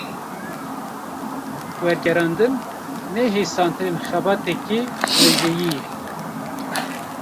Wergerandin, ne hêsantirîn xebateke wêjeyî ye